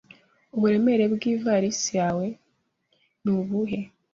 Uburemere bwa ivalisi yawe ni ubuhe?